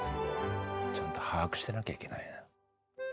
ちゃんと把握してなきゃいけないな。